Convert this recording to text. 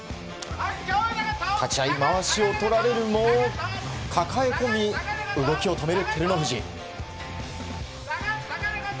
立ち合い、まわしを取られるも抱え込み、動きを止める照ノ富士。